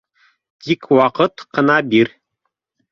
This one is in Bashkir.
Тик ваҡыт ҡына бир